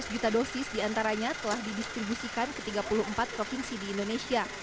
dua belas juta dosis diantaranya telah didistribusikan ke tiga puluh empat provinsi di indonesia